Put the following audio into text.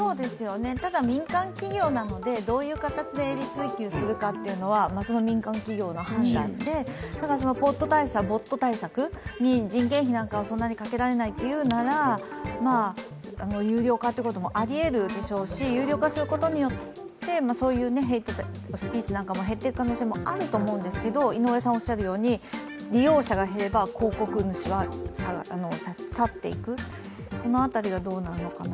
ただ民間企業なので、どういう形で営利追求するのかはその民間企業の判断でボット対策に人件費などをそんなにかけられないというなら有料化もありえるでしょうし、有料化することによって、そういうスピーチが減っていく可能性もありますし利用者が減れば広告主は去っていくその辺りがどうなるのかな。